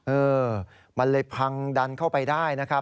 เออมันเลยพังดันเข้าไปได้นะครับ